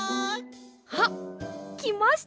あっきました！